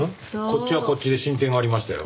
こっちはこっちで進展がありましたよ。